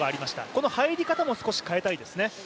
この入り方も変えたいですね。